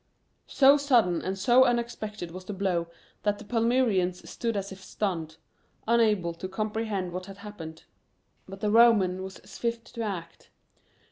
So sudden and so unexpected was the blow that the Palmyreans stood as if stunned, unable to comprehend what had happened. But the Roman was swift to act.